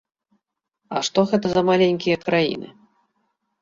А што гэта за маленькія краіны?